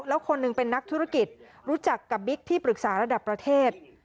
แล้วคนหนึ่งเป็นนักธุรกิจรู้จักกับบิ๊กที่ปรึกษาระดับประเทศ